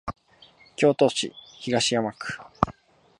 京都市東山区